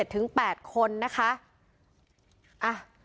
ตั้งแต่๘คนนะครับ